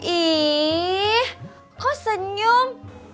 ih kok senyum